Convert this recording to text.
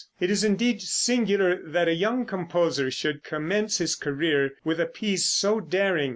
It is indeed singular that a young composer should commence his career with a piece so daring.